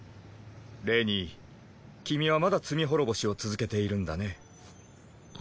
レニー君はまだ罪滅ぼしを続けているんだね。